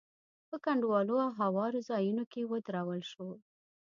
په کنډوالو او هوارو ځايونو کې ودرول شول.